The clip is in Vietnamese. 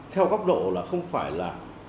theo góc độ là không phải là